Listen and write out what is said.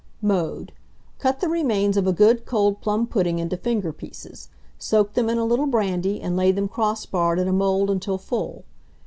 Mode. Cut the remains of a good cold plum pudding into finger pieces, soak them in a little brandy, and lay them cross barred in a mould until full.